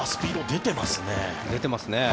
出てますね。